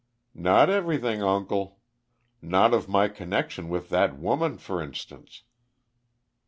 "Not everything, uncle. Not of my connection with that woman, for instance."